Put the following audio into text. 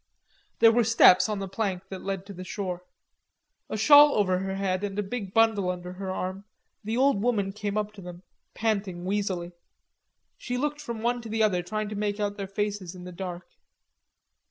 There were steps on the plank that led to the shore. A shawl over her head and a big bundle under her arm, the old woman came up to them, panting wheezily. She looked from one to the other, trying to make out their faces in the dark.